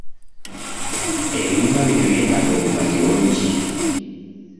Ebimyuma bino byetaaga obumanyi bungi.